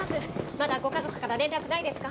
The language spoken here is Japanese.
まだご家族から連絡ないですか？